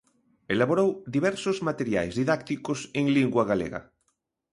Elaborou diversos materiais didácticos en lingua galega.